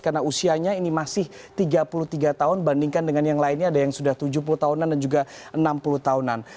karena usianya ini masih tiga puluh tiga tahun bandingkan dengan yang lainnya ada yang sudah tujuh puluh tahunan dan juga enam puluh tahunan